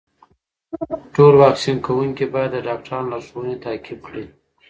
ټول واکسین کوونکي باید د ډاکټرانو لارښوونې تعقیب کړي.